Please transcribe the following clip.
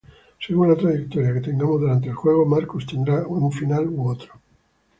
Según la trayectoria que tengamos durante el juego, Marcus tendrá un final u otro.